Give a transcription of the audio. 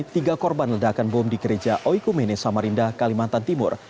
tiga korban ledakan bom di gereja oikumene samarinda kalimantan timur